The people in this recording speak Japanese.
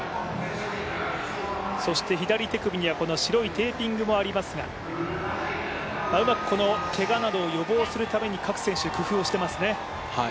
左手首には白いテーピングもありますが、うまくけがなどを予防するために各選手工夫していますね。